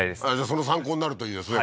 その参考になるといいですね